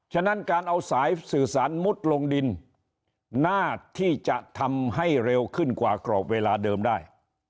ฉะนั้นการเอาสายสื่อสารมุดลงดินน่าที่จะทำให้เร็วขึ้นกว่ากรอบเวลาเดิมได้